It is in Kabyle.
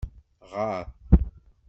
Ɣaṛ!